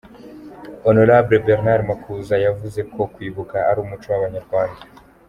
Hon Bernard Makuza yavuze ko kwibuka ari umuco w'abanyarwanda.